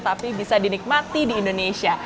tapi bisa dinikmati di indonesia